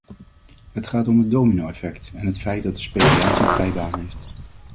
Het gaat om het domino-effect en het feit dat de speculatie vrij baan heeft.